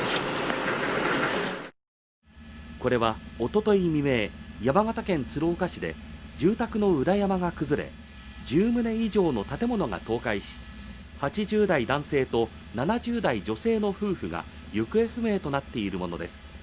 これはおととい未明、山形県鶴岡市で住宅の裏山が崩れ、１０棟以上の建物が倒壊し８０代男性と７０代女性の夫婦が行方不明となっているものです。